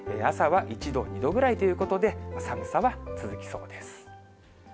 朝は１度、２度ぐらいということで、寒さは続きそうです。